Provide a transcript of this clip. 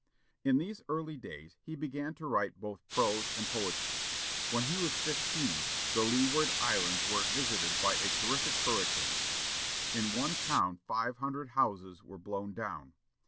In these early days he began to write both prose and poetry. When he was fifteen, the Leeward Islands were visited by a terrific hurricane. In one town five hundred houses were blown down.